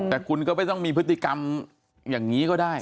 แต่คุณก็ไม่ต้องมีพฤติกรรมอย่างนี้ก็ได้